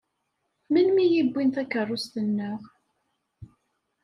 Melmi i wwin takeṛṛust-nneɣ?